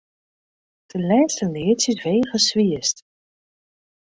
De lêste leadsjes weage swierst.